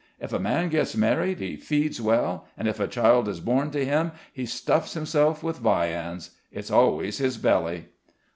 "If a man gets married, he feeds well, and if a child is born to him, he stuffs himself with viands. It's always his belly."